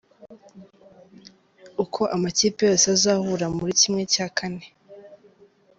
Uko amakipe yose azahura muri ¼